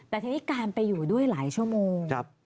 แต่ทีนี้การไปอยู่ด้วยหลายชั่วโมง